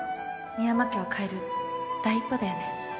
深山家を変える第一歩だよね